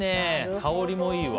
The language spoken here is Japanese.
香りもいいわ。